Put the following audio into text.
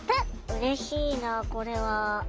うれしいなこれは。